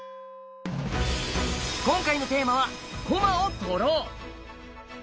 今回のテーマは「駒を取ろう」！